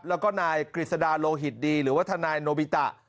แล้วก็นายกฤษดาโลหิตดีหรือว่าทนายโนบิตะ